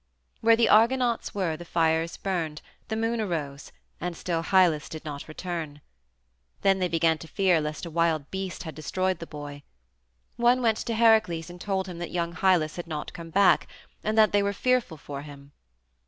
Where the Argonauts were the fires burned, the moon arose, and still Hylas did not return. Then they began to fear lest a wild beast had destroyed the boy. One went to Heracles and told him that young Hylas had not come back, and that they were fearful for him.